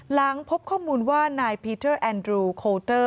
หลังพบข้อมูลว่านายพีเทอร์แอนดรูโคเตอร์